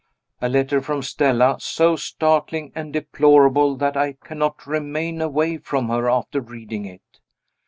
A letter from Stella, so startling and deplorable that I cannot remain away from her after reading it.